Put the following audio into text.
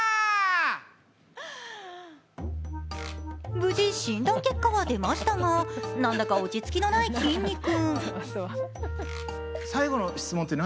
無事、診断結果は出ましたが、何だか落ち着きのないきんに君。